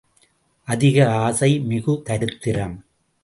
அதிக ஆசை மிகு தரித்திரம்.